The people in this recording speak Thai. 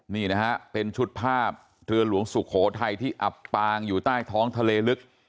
นี่นะฮะเป็นชุดภาพเรือหลวงสุโขทัยที่อับปางอยู่ใต้ท้องทะเลลึก